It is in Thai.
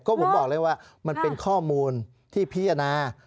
ก็ผมบอกเลยว่ามันเป็นข้อมูลที่พิจารณา